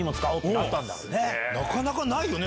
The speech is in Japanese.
なかなかないよね